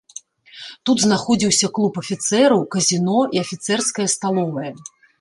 Тут знаходзіўся клуб афіцэраў, казіно і афіцэрская сталовая.